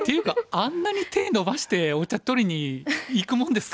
あんなに手伸ばしてお茶取りにいくもんですか。